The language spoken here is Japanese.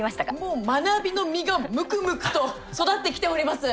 もう学びの実がむくむくと育ってきております。